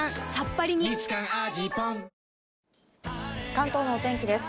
関東のお天気です。